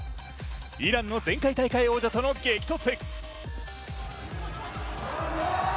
イランの前回大会王者との激突。